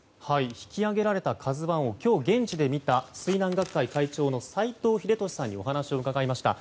引き揚げられた「ＫＡＺＵ１」を今日現地で見た水難学会会長の斎藤秀俊さんにお話を伺いました。